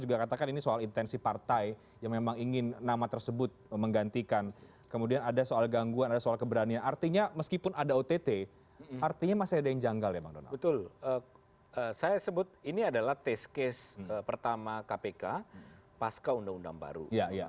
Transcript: betul saya sebut ini adalah test case pertama kpk pasca undang undang baru dua ribu sembilan belas dua ribu sembilan belas